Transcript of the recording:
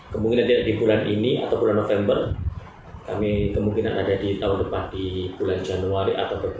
kemungkinan tidak di bulan ini atau bulan november kami kemungkinan ada di tahun depan di bulan januari atau februari